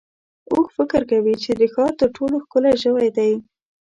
اوښ فکر کوي چې د ښار تر ټولو ښکلی ژوی دی.